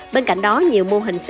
bên cạnh đó nhiều mô hình xe